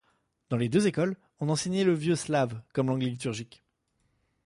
Dans les deux écoles, on enseignait le vieux-slave comme langue liturgique.